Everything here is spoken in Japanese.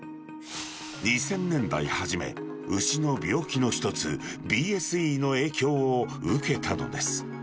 ２０００年代初め、牛の病気の一つ、ＢＳＥの影響を受けたのです。